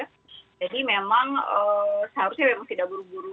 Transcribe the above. jadi memang seharusnya tidak buru buru